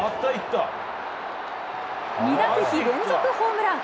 ２打席連続ホームラン。